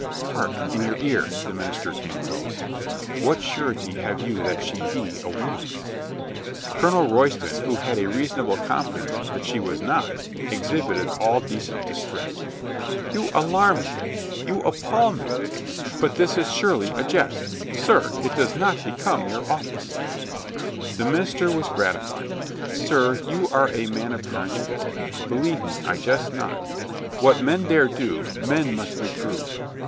"Hark in your ear!" the minister came close. "What surety have you that she be .a woman?" Colonel Royston, who had a reasonable confidence that she was not, exhibited all decent distress. "You alarm me. You appal me. But this is surely a jest. Sir, it does not become your office." The minister was gratified. "Sir, you are a man of conscience. Believe me, I jest not. What men dare do men must reprove."